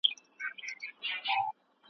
ايا ته پلان جوړوې؟